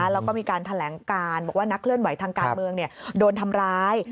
แล้วก็มีการแถลงการบอกว่านักเคลื่อนไหวทางการเมืองโดนทำร้าย